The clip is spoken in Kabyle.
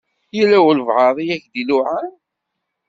Yella walebɛaḍ i ak-d-iluɛan?